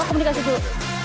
oh komunikasi dulu